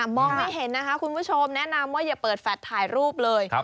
มองไม่เห็นนะคะคุณผู้ชมแนะนำว่าอย่าเปิดแฟลตถ่ายรูปเลย